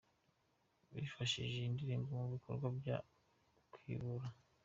Bifashisha iyi ndirimbo mu bikorwa byo Kwibuka.